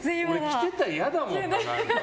着てたら嫌だもんな。